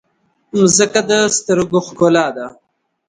مځکه د سترګو ښکلا ده.